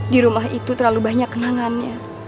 di rumah itu terlalu banyak kenangannya